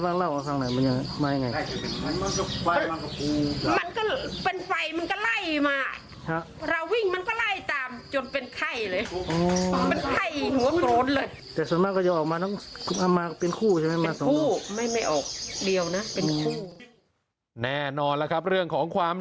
แน่นอนแล้วครับเรื่องของความ